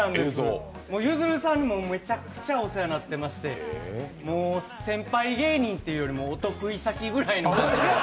ゆずるさんにもめちゃくちゃお世話になっていましてもう先輩芸人っていうよりもお得先ぐらいの。